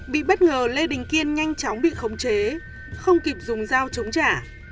bị bất ngờ lê đình kiên nhanh chóng bị khống chế không kịp dùng dao chống trả